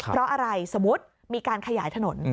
เพราะอะไรสมมุติมีการขยายถนน